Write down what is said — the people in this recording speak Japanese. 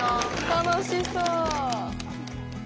楽しそう。